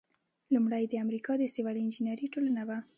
لومړۍ د امریکا د سیول انجینری ټولنه وه.